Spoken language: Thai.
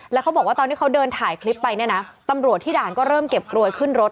แล้วเขาบอกว่าตอนที่เขาเดินถ่ายคลิปไปเนี่ยนะตำรวจที่ด่านก็เริ่มเก็บกรวยขึ้นรถ